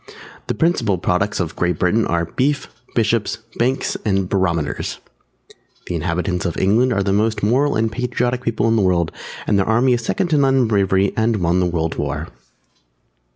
The principal products of Great Britain are Beef, Bishops, Banks, and Barometers. The inhabitants of England are the most Moral and Patriotic people in the World, and their army is second to none in bravery and won the World War.